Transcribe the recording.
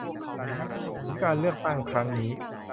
ผลการเลือกตั้งครั้งนี้